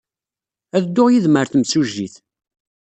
Ad dduɣ yid-m ɣer temsujjit.